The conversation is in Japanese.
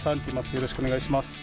よろしくお願いします。